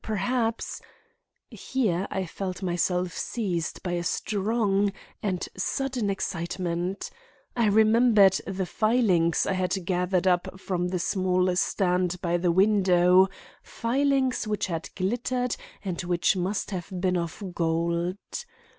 Perhaps— Here I felt myself seized by a strong and sudden excitement. I remembered the filings I had gathered up from the small stand by the window, filings which had glittered and which must have been of gold.